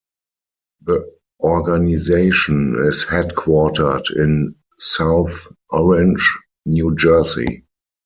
The organization is headquartered in South Orange, New Jersey.